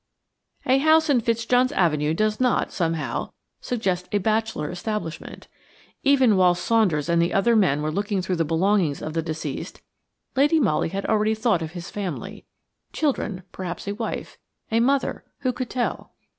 A house in Fitzjohn's Avenue does not, somehow, suggest a bachelor establishment. Even whilst Saunders and the other men were looking through the belongings of the deceased, Lady Molly had already thought of his family–children, perhaps a wife, a mother–who could tell?